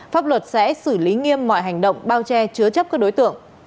pháp luật sẽ xử lý nghiêm mọi hành động bao che chứa chấp các đối tượng